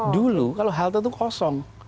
dulu kalau halte itu kosong